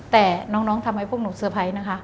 แต่น้องทำให้พวกหนูเซอร์ไพรส์นะคะ